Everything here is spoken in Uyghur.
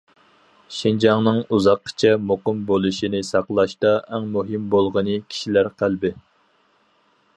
شىنجاڭنىڭ ئۇزاققىچە مۇقىم بولۇشىنى ساقلاشتا ئەڭ مۇھىم بولغىنى كىشىلەر قەلبى.